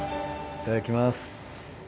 いただきます。